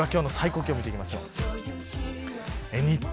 では、今日の最高気温を見ていきましょう。